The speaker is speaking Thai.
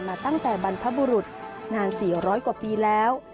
มาตั้งแต่บรรพบุรุษนาน๔๐๐กว่าปีแล้ว